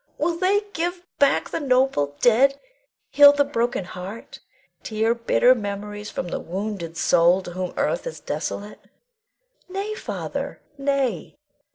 Will they give back the noble dead, heal the broken heart, tear bitter memories from the wounded soul to whom earth is desolate? Nay, Father, nay.